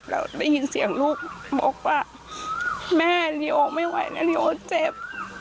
แล้วได้ยินเสียงลูกบอกว่าแม่หนีออกไม่ไหวนะลีโอเจ็บ